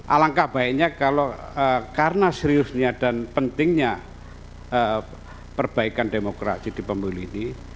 alangkah baiknya kalau karena seriusnya dan pentingnya perbaikan demokrasi di pemilu ini